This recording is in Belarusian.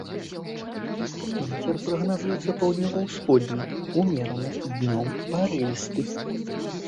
Вецер прагназуецца паўднёва-ўсходні ўмераны, днём парывісты.